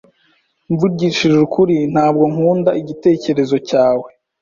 Mvugishije ukuri, ntabwo nkunda igitekerezo cyawe.